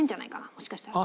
もしかしたら。